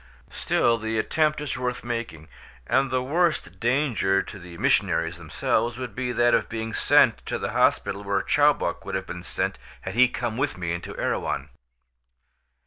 Still the attempt is worth making, and the worst danger to the missionaries themselves would be that of being sent to the hospital where Chowbok would have been sent had he come with me into Erewhon.